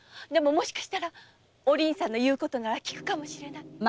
でももしかしたらお凛さんの言うことならきくかもしれない。